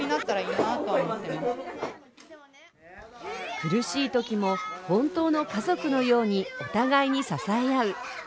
苦しいときも本当の家族のようにお互いに支え合う。